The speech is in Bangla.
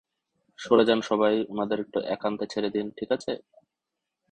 সরে যান, সবাই, ওনাদের একটু একান্তে ছেড়ে দিন, ঠিক আছে?